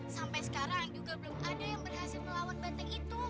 sampai sekarang juga belum ada yang berhasil melawan banteng itu